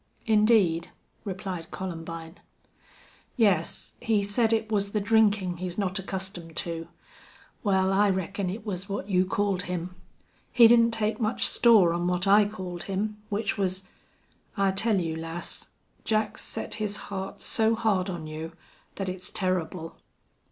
"Indeed," replied Columbine. "Yes. He said it was the drinkin' he's not accustomed to. Wal, I reckon it was what you called him. He didn't take much store on what I called him, which was wuss.... I tell you, lass, Jack's set his heart so hard on you thet it's turrible."